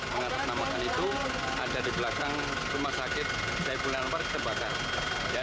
mengatasnamakan itu ada di belakang rumah sakit saiful anwar terbakar